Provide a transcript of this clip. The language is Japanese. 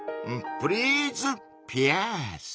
プリーズピアース。